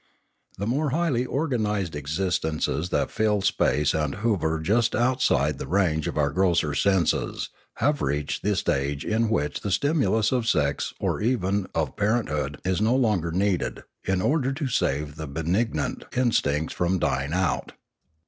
The more highly organised existences that fill space and hover just out side the range of our grosser senses have reached the stage in which the stimulus of sex or even of parent hood is no longer needed in order to save the benignant instincts from dying out.